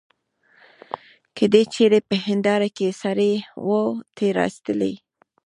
که دي چیري په هنیداره کي سړی وو تېرایستلی.